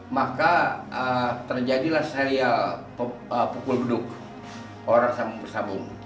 maka terjadilah serial pukul beduk orang sambung bersabung